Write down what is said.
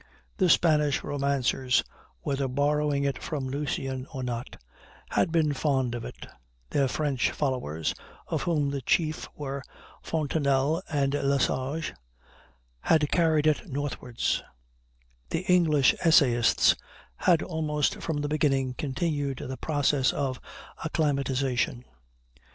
The Spanish romancers, whether borrowing it from Lucian or not, had been fond of it; their French followers, of whom the chief were Fontenelle and Le Sage, had carried it northwards; the English essayists had almost from the beginning continued the process of acclimatization.